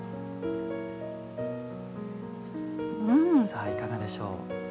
さあいかがでしょう？